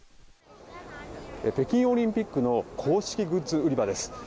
北京オリンピックの公式グッズ売り場です。